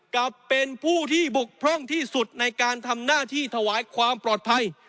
กลับเป็นผู้ที่บกพร่องที่สุดในการทำหน้าที่ถวายความปลอดภัย